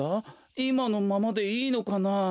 いまのままでいいのかなあ？